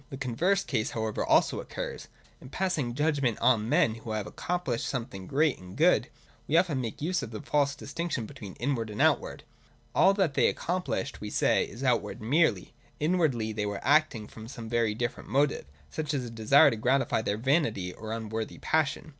The converse case however also occurs. In passing judg ment on men who have accomplished something great and good, we often make use of the false distinction between inward and outward. All that they have accomplished, we say, is outward merely ; inwardly they were acting from some very different motive, such as a desire to gratify their vanity or other unworthy passion.